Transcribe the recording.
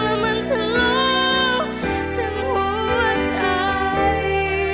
และมันทะลุทั้งหัวใจ